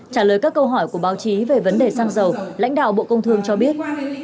trả lời các câu hỏi của báo chí về vấn đề xăng dầu lãnh đạo bộ công thương cho biết